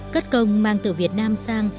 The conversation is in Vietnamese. cất công mang từ việt nam sang